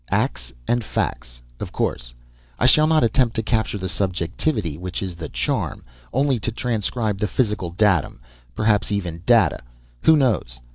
Acts and facts, of course. I shall not attempt to capture the subjectivity which is the charm, only to transcribe the physical datum perhaps even data, who knows?